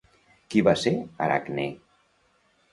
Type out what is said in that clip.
Qui va ser Aracne?